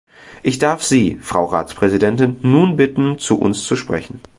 Ich darf Sie, Frau Ratspräsidentin, nun bitten, zu uns zu sprechen.